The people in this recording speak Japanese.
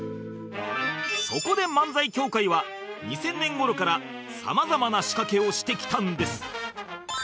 そこで漫才協会は２０００年頃からさまざまな仕掛けをしてきたんです